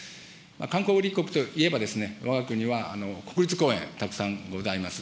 観光立国といえば、わが国は国立公園、たくさんございます。